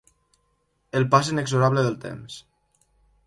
El pas inexorable del temps.